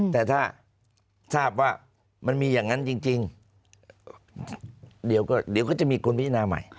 แต่ถ้าทราบว่ามันมีอย่างนั้นจริงเดี๋ยวก็จะมีคุณพินาใหม่